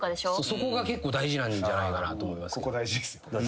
そこが結構大事なんじゃないかなと思います。